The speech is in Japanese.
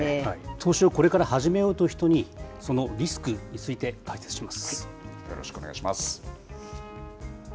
投資をこれから始めようという人に、そのリスクについて解説します。